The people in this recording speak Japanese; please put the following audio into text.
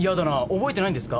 覚えてないんですか？